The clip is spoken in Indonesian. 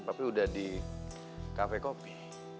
tapi udah di kafe kopi